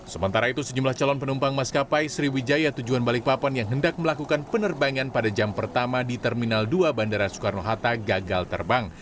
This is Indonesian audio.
sementara itu sejumlah calon penumpang maskapai sriwijaya tujuan balikpapan yang hendak melakukan penerbangan pada jam pertama di terminal dua bandara soekarno hatta gagal terbang